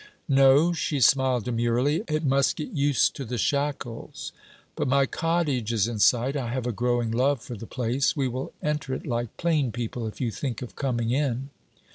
'No,' she smiled demurely; 'it must get used to the shackles: but my cottage is in sight. I have a growing love for the place. We will enter it like plain people if you think of coming in.'